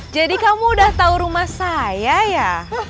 kamu udah tahu rumah saya ya